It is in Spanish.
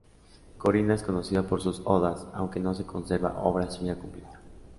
Corina es conocida por sus odas, aunque no se conserva obra suya completa.